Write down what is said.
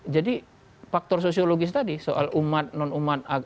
jadi faktor sosiologis tadi soal umat non umat